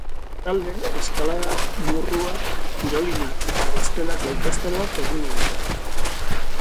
Bestalde, eskalada-murrua, tirolina eta bestelako ikastaroak egongo dira.